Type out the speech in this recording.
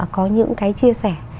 có những cái chia sẻ